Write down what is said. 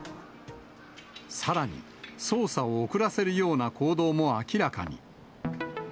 さらに、捜査を遅らせるような行動も明らかに。